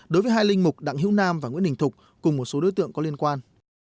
đối với hai linh mục đặng hữu nam và nguyễn đình thục cùng một số đối tượng có liên quan